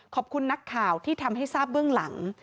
ขอบคุณนักข่าวที่ทำให้ทราบเบื้องหลัง